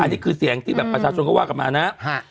อันนี้คือเสียงที่แบบประชาชนก็ว่ากันมานะ